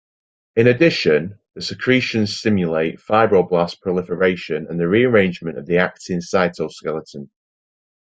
In addition, the secretions stimulate fibroblast proliferation and rearrangement of the actin cytoskeleton.